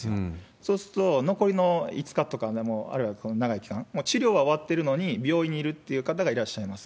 そうすると、残りの５日とか、あるいはもっと長い期間、もう治療は終わってるのに、病院にいるという方がいらっしゃいます。